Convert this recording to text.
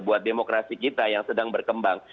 buat demokrasi kita yang sedang berkembang